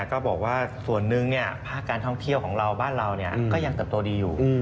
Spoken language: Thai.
ก็บอกว่าส่วนหนึ่งภาคการท่องเที่ยวของเราบ้านเราก็ยังเติบโตดีอยู่